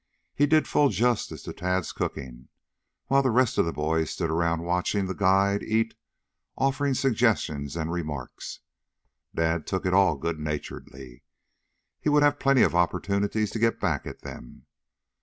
He did full justice to Tad's cooking, while the rest of the boys stood around watching the guide eat, offering suggestions and remarks. Dad took it all good naturedly. He would have plenty of opportunities to get back at them.